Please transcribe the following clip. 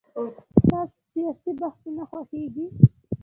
ستاسو سياسي بحثونه خوښيږي.